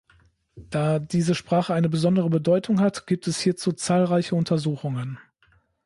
Da diese Sprache eine besondere Bedeutung hat, gibt es hierzu zahlreiche Untersuchungen.